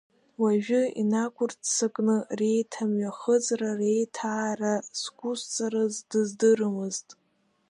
Уажәы инақәырццакны, реиҭамҩахыҵра реиҭаара зқәысҵарыз сыздырамызт.